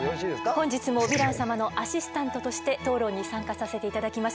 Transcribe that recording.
本日もヴィラン様のアシスタントとして討論に参加させて頂きます